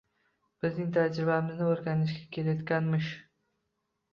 Bizning tajribamizni o`rganishga kelayotganmish